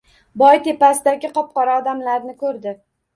Boy tepasidagi qop-qora odamlarni ko‘rdi